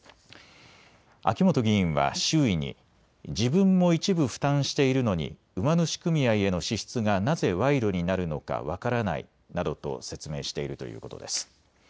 秋本議員は周囲に自分も一部負担しているのに馬主組合への支出がなぜ賄賂になるのか分からないなどと説明しているということです。